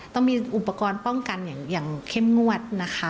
ต้องมีอุปกรณ์ป้องกันอย่างเข้มงวดนะคะ